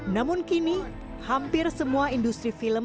namun kini hampir semua industri film